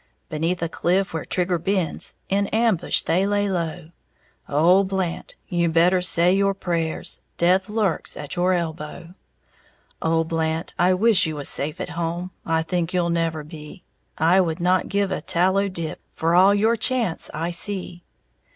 Beneath a cliff where Trigger bends In ambush they lay low. Oh, Blant, you better say your prayers! Death lurks at your elbow! Oh, Blant, I wish you was safe at home; I think you'll never be; I would not give a tallow dip For all your chance I see!